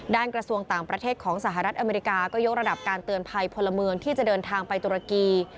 กระทรวงต่างประเทศของสหรัฐอเมริกาก็ยกระดับการเตือนภัยพลเมืองที่จะเดินทางไปตุรกี